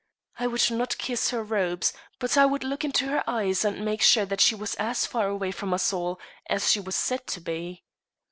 I would not kiss her robes, but I would look into her eyes and make sure that she was as far away from us all as she was said to be.